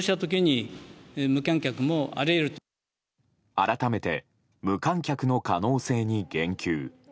改めて無観客の可能性に言及。